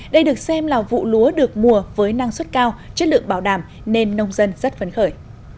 đây được xem là vụ lúa được mùa với năng suất cao chất lượng bảo đảm nên nông dân rất phấn khởi